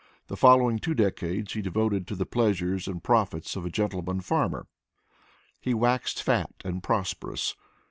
The following two decades he devoted to the pleasures and profits of a gentleman farmer. He waxed fat and prosperous.